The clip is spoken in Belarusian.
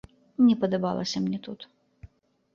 Не падабалася мне тут.